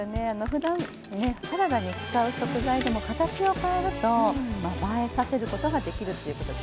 ふだんねサラダに使う食材でも形を変えると映えさせることができるっていうことですね。